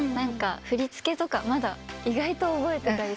振り付けとかまだ意外と覚えてたりするので。